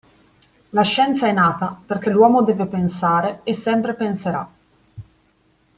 La scienza è nata perché l'uomo deve pensare e sempre penserà.